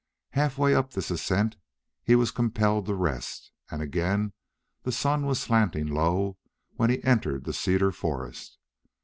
Half way up this ascent he was compelled to rest; and again the sun was slanting low when he entered the cedar forest.